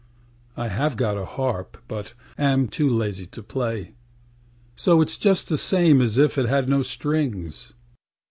I have got a harp, but am too lazy to play; So itâs just the same as if it had no strings.